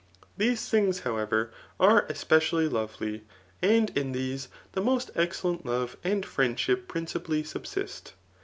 These things, however, are especially lovely ; and in these the most excellent love and friendship principally subsist.